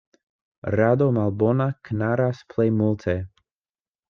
Rado malbona knaras plej multe.